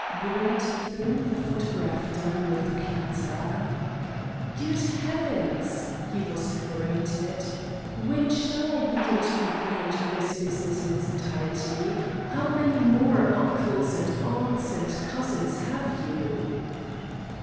Brett threw the photograph down with clatter. "Good Heavens!" he vociferated, "when shall I begin to comprehend this business in its entirety? How many more uncles, and aunts, and cousins have you?"